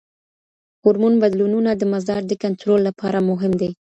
هورمون بدلونونه د مزاج د کنټرول لپاره مهم دي.